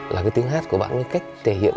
là cái tiếng hát của bạn như cách thể hiện